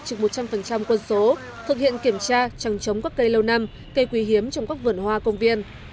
trực một trăm linh quân số thực hiện kiểm tra chẳng chống các cây lâu năm cây quý hiếm trong các vườn hoa công viên